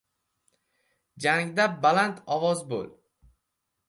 — Jangda balandovoz bo‘l.